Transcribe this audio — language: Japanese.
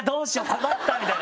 困った！みたいな。